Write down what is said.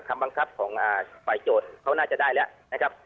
คำบังคับของฝ่ายโจทย์เขาน่าจะได้แล้วนะครับ